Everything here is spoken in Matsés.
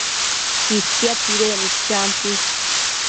itia tsidecnid champi